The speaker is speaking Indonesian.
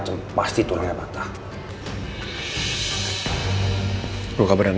jangan bikin gue sentuh sendoh sama rina